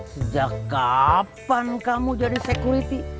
sejak kapan kamu jadi security